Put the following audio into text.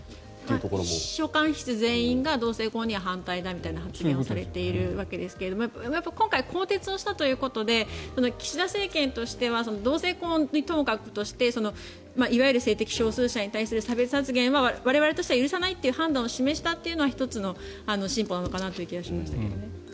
秘書官室全員が同性婚には反対だみたいな発言をされているわけですが今回、更迭をしたということで岸田政権としては同性婚はともかくとして性的少数者に対する差別発言は我々としては許さないという判断を示したというのは１つの進歩なのかなという気はしましたけどね。